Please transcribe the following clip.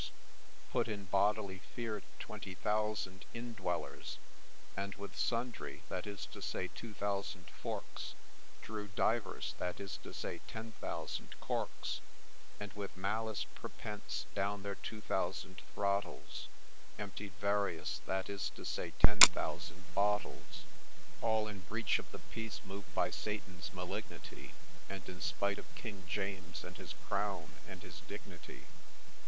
THE WITCHES' FROLIC 109 Put in bodily fear twenty thousand in dwellers, And with sundry, — that is to say, two thousand — forks, Drew divers, — that is to say, ten thousand — corks, And, with malice prepense, down their two thousand throttles Emptied various, — that is to say, ten thousand — bottles ; All in breach of the peace, — moved by Satan's malignity — And in spite of King James, and his Crown, and his Dignity.'